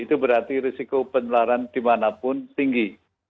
itu berarti risiko penularan dimanapun tinggi